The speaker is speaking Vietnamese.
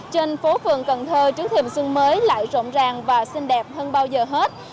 trên phố phường cần thơ trứng thiềm xuân mới lại rộng ràng và xinh đẹp hơn bao giờ hết